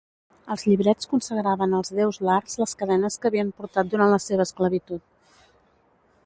Els lliberts consagraven als déus lars les cadenes que havien portat durant la seva esclavitud.